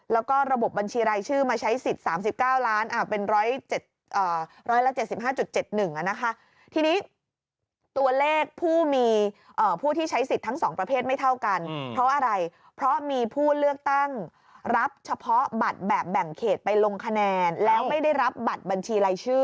แล้วก็ระบบบัญชีรายชื่อมาใช้สิทธิ์๓๙ล้านเป็น๑๗๕๗๑นะคะทีนี้ตัวเลขผู้มีผู้ที่ใช้สิทธิ์ทั้ง๒ประเภทไม่เท่ากันเพราะอะไรเพราะมีผู้เลือกตั้งรับเฉพาะบัตรแบบแบ่งเขตไปลงคะแนนแล้วไม่ได้รับบัตรบัญชีรายชื่อ